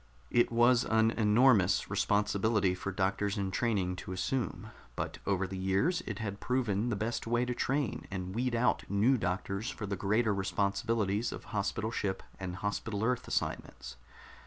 It was an enormous responsibility for doctors in training to assume, but over the years it had proven the best way to train and weed out new doctors for the greater responsibilities of hospital ship and Hospital Earth assignments.